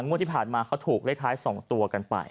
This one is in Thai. งวดที่ผ่านมาเขาถูกเลขท้าย๒ตัวกันไป